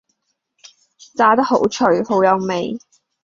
炸得好脆好有味